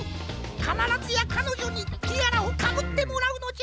かならずやかのじょにティアラをかぶってもらうのじゃ。